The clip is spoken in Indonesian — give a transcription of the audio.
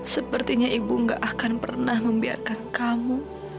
sepertinya ibu gak akan pernah membiarkan kamu